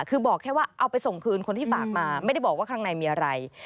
คือบอกแค่ว่าเอาไปส่งคืนคนที่ฝากมาไม่ได้บอกว่าข้างในมีอะไร